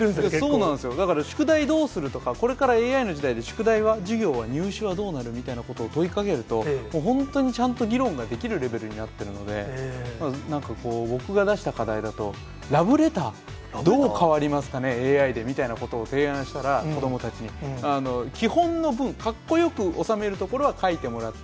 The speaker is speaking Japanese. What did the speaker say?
そうなんですよ、だから宿題どうするとか、これからＡＩの時代で、宿題は、授業は、入試はどうなるとか問いかけると、本当にちゃんと議論ができるレベルになっているので、なんかこう、僕が出した課題だとラブレター、どう変わりますかね、ＡＩでみたいなことを提案したら、子どもたちに、基本の文、かっこよくおさめるところは書いてもらって。